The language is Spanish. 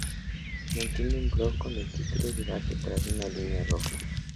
Mantiene un blog con el título "Debate tras la línea roja".